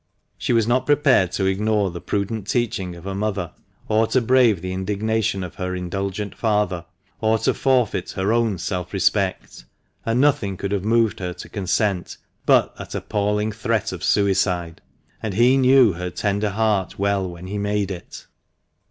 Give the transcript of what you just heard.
She was not prepared to ignore the prudent teaching of her mother, or to brave the indignation of her indulgent father, or to forfeit her own self respect, and nothing could have moved her to consent but that appalling threat of suicide, and he knew her tender heart well when he made it?